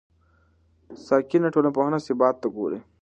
ساکنه ټولنپوهنه ثبات ته ګوري.